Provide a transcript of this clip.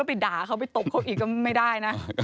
ไปด่าเขาไปตบเขาอีกก็ไม่ได้นะ